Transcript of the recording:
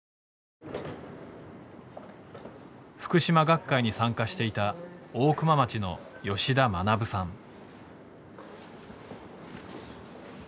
ふくしま学会に参加していた大熊町の吉田学さん。